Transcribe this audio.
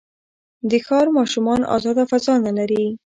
د ښار ماشومان ازاده فضا نه لري.